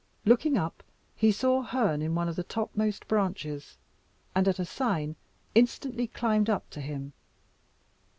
Looking up, he saw Herne in one of the topmost branches, and at a sign, instantly climbed up to him.